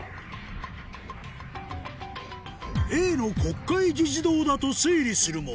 Ａの国会議事堂だと推理するも